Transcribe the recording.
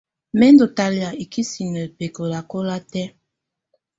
Mɛ̀ ndù talɛ̀́á ikisinǝ bɛkɔlakɔla tɛ̀́á.